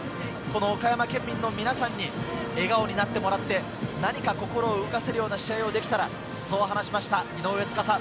岡山県民の皆さんに笑顔になってもらって、心を動かせるような試合ができたらと話をしました、井上斗嵩。